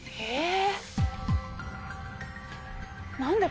え？